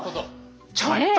ちょっと！